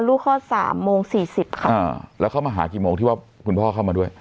คลอดสามโมงสี่สิบค่ะอ่าแล้วเข้ามาหากี่โมงที่ว่าคุณพ่อเข้ามาด้วย